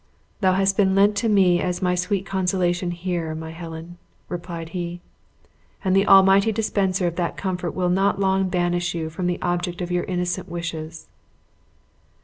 "Thou hast been lent to me as my sweet consolation here, my Helen," replied he, "and the Almighty dispenser of that comfort will not long banish you from the object of your innocent wishes."